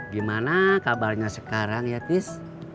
gimana kabarnya sekarang ya tis